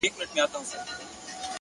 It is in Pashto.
لوړ فکر محدودیتونه کمزوري کوي!.